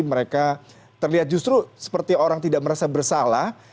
mereka terlihat justru seperti orang tidak merasa bersalah